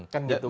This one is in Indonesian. kan gitu kan